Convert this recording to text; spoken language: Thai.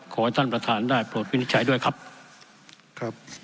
ขอให้ท่านประธานได้โปรดวินิจฉัยด้วยครับครับ